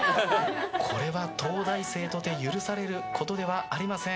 これは東大生とて許されることではありません。